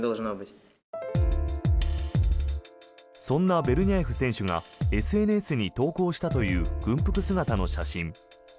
そんなベルニャエフ選手がＳＮＳに投稿したという軍服姿の写真。